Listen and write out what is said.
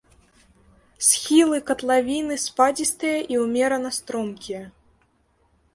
Схілы катлавіны спадзістыя і ўмерана стромкія.